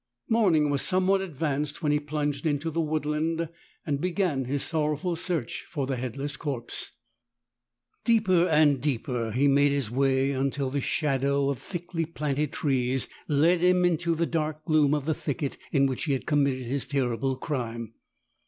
Morning was somewhat advanced when he plunged into the woodland and began his sorrowful search for the head less corpse. Deeper and deeper he made his way until the shadow of thickly planted trees led him into the dark gloom of the thicket in which he had committed his terrible crime.